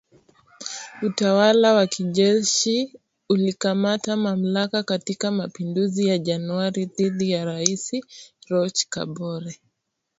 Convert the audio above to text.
Utawala wa kijeshi ulikamata mamlaka katika mapinduzi ya Januari dhidi ya Rais Roch Kabore